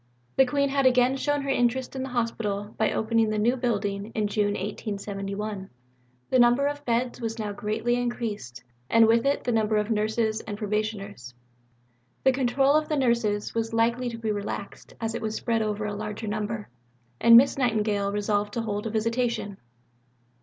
The Queen had again shown her interest in the Hospital by opening the new building in June 1871. The number of beds was now greatly increased, and with it the number of nurses and probationers. The control of the nurses was likely to be relaxed as it was spread over a larger number, and Miss Nightingale resolved to hold a Visitation.